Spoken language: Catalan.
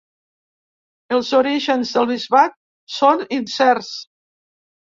Els orígens del bisbat són incerts.